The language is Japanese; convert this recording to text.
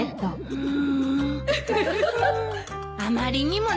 うん。